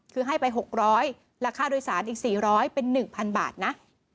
คือให้ไป๖๐๐ราคาโดยสารอีก๔๐๐เป็น๑๐๐บาทนะ